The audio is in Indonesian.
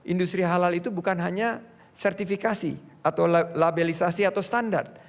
industri halal itu bukan hanya sertifikasi atau labelisasi atau standar